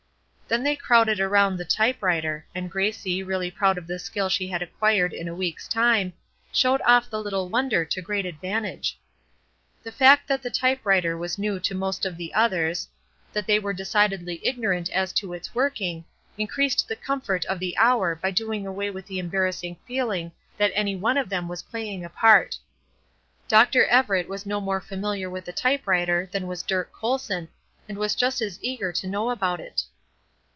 Then they crowded around the type writer, and Gracie, really proud of the skill she had acquired in a week's time, showed off the little wonder to great advantage. The fact that the type writer was new to most of the others, that they were decidedly ignorant as to its working, increased the comfort of the hour by doing away with the embarrassing feeling that any one of them was playing a part. Dr. Everett was no more familiar with the type writer than was Dirk Colson, and was just as eager to know about it.